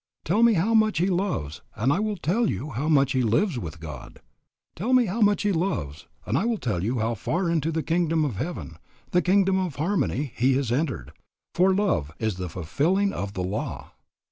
Tell me how much he loves and I will tell you how much he lives with God. Tell me how much he loves and I will tell you how far into the Kingdom of Heaven, the kingdom of harmony, he has entered, for "love is the fulfilling of the law."